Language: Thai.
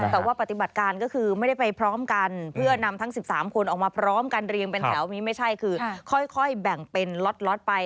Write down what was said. แต่ว่าปฏิบัติการก็คือไม่ได้ไปพร้อมกันเพื่อนำทั้ง๑๓คนออกมาพร้อมกันเรียงเป็นแถวนี้ไม่ใช่คือค่อยแบ่งเป็นล็อตไป